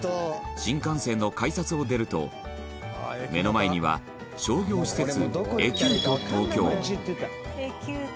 新幹線の改札を出ると目の前には商業施設、エキュート東京羽田：エキュート。